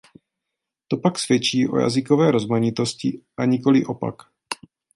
To pak svědčí o jazykové rozmanitosti, a nikoli opak.